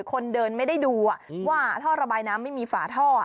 คนเดินไม่ได้ดูว่าท่อระบายน้ำไม่มีฝาท่อ